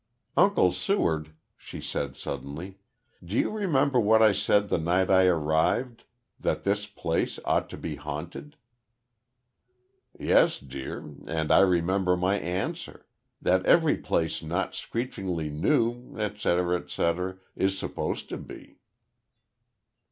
"Uncle Seward," she said, suddenly. "Do you remember what I said the night I arrived that this place ought to be haunted?" "Yes, dear, and I remember my answer that every place not screechingly new, etc, etc, is supposed to be."